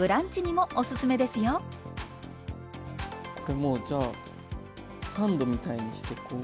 もうじゃあサンドみたいにしてこう。